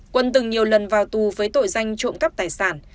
quân từng nhiều lần vào tù với tội danh trộm cắp tài sản